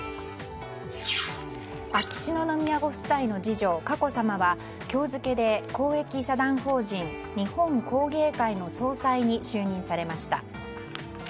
秋篠宮ご夫妻の次女佳子さまは今日付で、公益社団法人日本工芸会の総裁に就任されました。